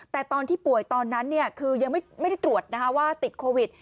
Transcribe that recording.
แต่ตอนที่ป่วยตอนนั้นคือยังไม่ได้ตรวจว่าติดโควิด